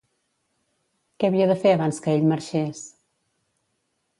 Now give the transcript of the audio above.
Què havia de fer abans que ell marxés?